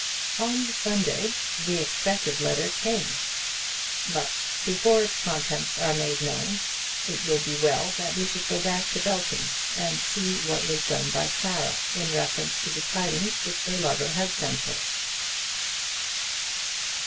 On the Sunday the expected letter came; but before its contents are made known, it will be well that we should go back to Belton, and see what was done by Clara in reference to the tidings which her lover had sent her.